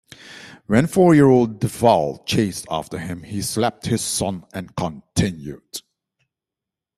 When four-year-old Deval chased after him, he slapped his son and continued.